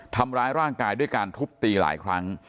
ทำร้ายร่างกายด้วยการทุบตีหลายครั้ง